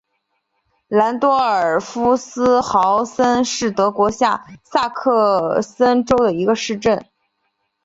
兰多尔夫斯豪森是德国下萨克森州的一个市镇。